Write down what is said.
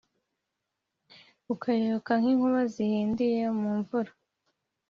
ukayoyoka nk’inkuba zihindiye mu mvura.